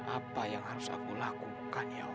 apa yang harus aku lakukan ya